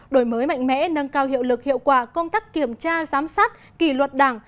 đổi mới mạnh mẽ nâng cao hiệu lực hiệu quả công tác kiểm tra giám sát kỷ luật đảng